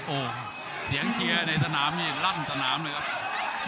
โอ้โหเสียงเชียร์ในสนามนี่ลั่นสนามเลยครับ